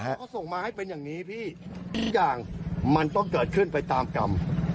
เขาส่งมาให้เป็นอย่างนี้พี่ทุกอย่างมันต้องเกิดขึ้นไปตามกรรม